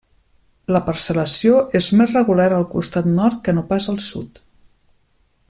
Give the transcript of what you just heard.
La parcel·lació és més regular al costat nord que no pas al sud.